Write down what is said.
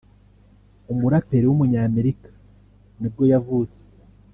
umuraperi w’umunyamerika nibwo yavutse